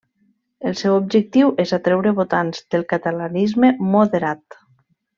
El seu objectiu és atreure votants del catalanisme moderat.